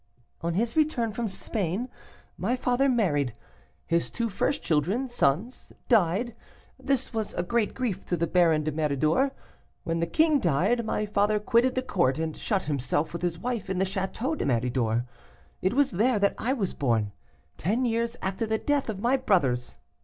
"On his return from Spain my father married. His two first children, sons, died. This was a great grief to the Baron de Méridor. When the king died, my father quitted the court, and shut himself with his wife in the Château de Méridor. It was there that I was born, ten years after the death of my brothers.